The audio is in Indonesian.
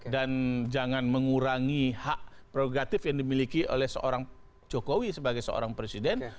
dan jangan mengurangi hak prerogatif yang dimiliki oleh seorang jokowi sebagai seorang presiden